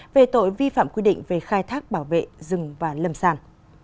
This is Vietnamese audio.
về tội vi phạm quy định về khai thác bảo vệ rừng và lầm sàn